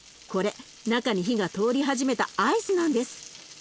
これ中に火が通り始めた合図なんです。